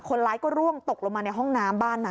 คนร้ายก็ร่วงตกลงมาในห้องน้ำบ้านนั้น